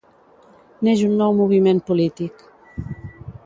Neix un nou moviment polític